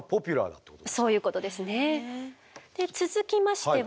そういうことですね。